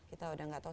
kita udah enggak tahu